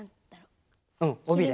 うん尾びれ。